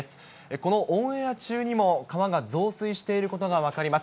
このオンエア中にも川が増水していることが分かります。